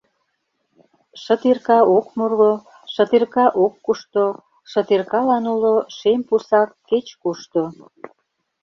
Шытирка ок муро, Шытирка ок кушто, Шытиркалан уло Шем пусак кеч-кушто.